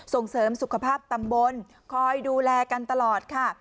ส่งเสริมสุขภาพตำบลคอยดูแลกันตลอดค่ะ